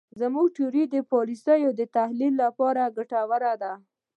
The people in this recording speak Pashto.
زموږ تیوري د پالیسیو د تحلیل لپاره ګټوره ده.